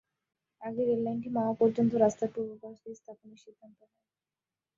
আগে রেললাইনটি মাওয়া পর্যন্ত রাস্তার পূর্ব পাশ দিয়ে স্থাপনের সিদ্ধান্ত হয়।